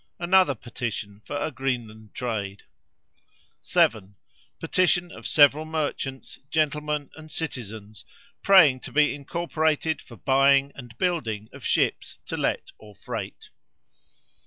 Another petition for a Greenland trade. "7. Petition of several merchants, gentlemen, and citizens, praying to be incorporated for buying and building of ships to let or freight.